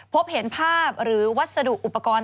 พบเห็นภาพหรือวัสดุอุปกรณ์